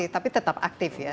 tapi tetap aktif ya